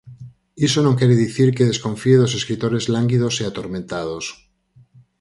Iso non quere dicir que desconfíe dos escritores lánguidos e atormentados.